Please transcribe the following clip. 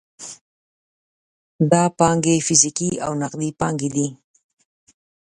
دا پانګې فزیکي او نغدي پانګې دي.